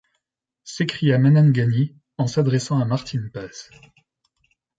s’écria Manangani, en s’adressant à Martin Paz.